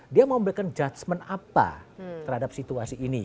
dia mau memberikan judgement apa terhadap situasi ini